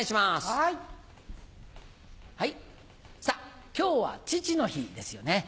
はい今日は父の日ですよね。